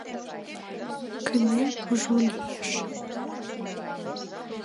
Кыне кужу лийже